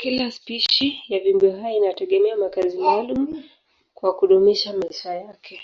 Kila spishi ya viumbehai inategemea makazi maalumu kwa kudumisha maisha yake.